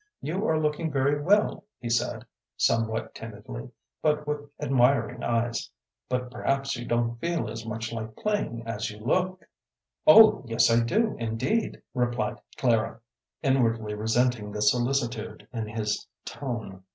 "You are looking very well," he said, somewhat timidly, but with admiring eyes. "But perhaps you don't feel as much like playing as you look." "Oh yes, I do indeed," replied Clara, inwardly resenting the solicitude in his tone.